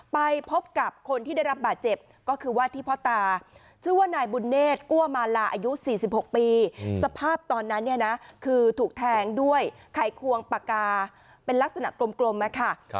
ไปพบกับคนที่ได้รับบาดเจ็บก็คือว่าที่พ่อตาชื่อว่านายบุญเนธกั้วมาลาอายุ๔๖ปีสภาพตอนนั้นเนี่ยนะคือถูกแทงด้วยไขควงปากกาเป็นลักษณะกลมนะคะ